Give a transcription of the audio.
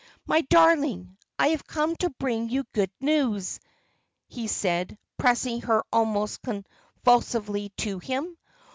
"My darling, I have come to bring you good news," he said, pressing her almost convulsively to him.